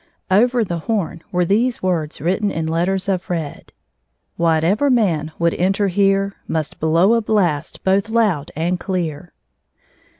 Over the horn were these words written in letters of red : "Mbatevec man wonlO enter bete, Anet blow a blast I»tb louO anO cleat."